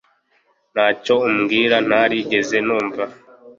Ntacyo umbwira ntarigeze numva